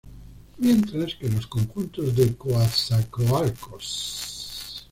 Mientras que los conjuntos de Coatzacoalcos.